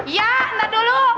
ya nanti dulu